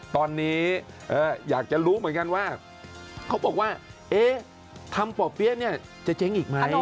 ตอนนี้อยากจะรู้เหมือนกันว่าเขาบอกว่าเอ๊ะทำป่อเปี๊ยะเนี่ยจะเจ๊งอีกไหม